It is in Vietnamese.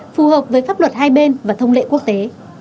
phù hợp với pháp luật hai bên và thông lệ quốc tế